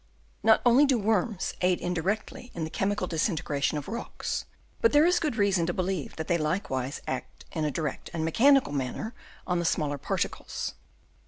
Not only do worms aid indirectly in the chemical disintegration of rocks, but there is good reason to believe that they likewise act in a direct and mechanical manner on the smaller particles.